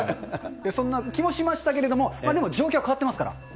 そんな気もしましたけれども、でも状況は変わってますから。